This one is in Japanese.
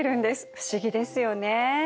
不思議ですよね。